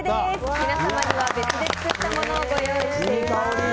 皆様には別で作ったものをご用意しています。